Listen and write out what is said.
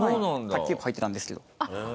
卓球部入ってたんですけど。